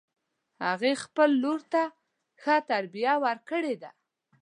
هغې خپل لور ته ښه تربیه ورکړې ده